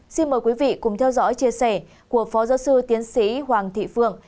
xin mời quý vị cùng theo dõi chia sẻ của phó giáo sư tiến sĩ hoàng thị phượng